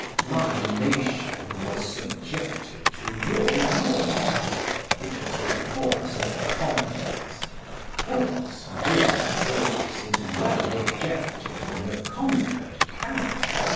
My Nation was subjected to your Lords. It was the force of Conquest; force with force Is well ejected when the Conquer'd can.